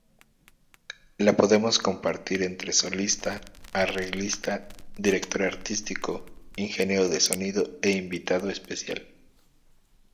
La podemos compartir entre solista, arreglista, director artístico, ingeniero de sonido e invitado especial.